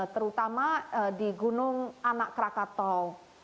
terutama di gunung anak krakatau